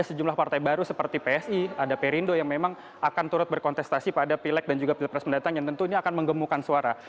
ada sejumlah partai baru seperti psi ada perindo yang memang akan turut berkontestasi pada pilek dan juga pilpres mendatang yang tentunya akan menggemukan suara